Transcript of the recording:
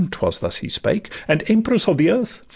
('Twas thus he spake) 'and Empress of the Earth!